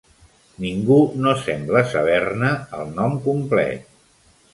Ningú no sembla saber-ne el nom complet.